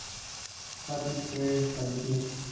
Patrick fue establecida.